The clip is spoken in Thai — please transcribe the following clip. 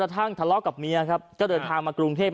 ทั้งทะเลาะกับเมียครับก็เดินทางมากรุงเทพ